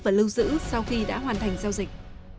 và lưu giữ sau khi đã hoàn thành giao dịch